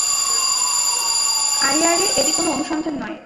আরে, আরে, এটি কোনো অনুসন্ধান নয়।